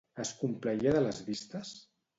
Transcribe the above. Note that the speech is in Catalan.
Es complaïa de les vistes?